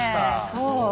そう。